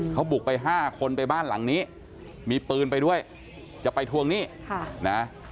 เขาบุกไป๕คนไปบ้านหลังนี้มีปืนไปด้วยจะไปทวงหนี้นะ